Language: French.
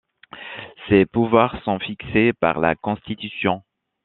Ses pouvoirs sont fixés par la Constitution.